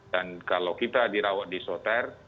dan kalau kita dirawat di isoter